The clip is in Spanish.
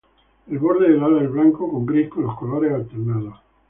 El borde del ala es blanco con gris, con los colores alternados.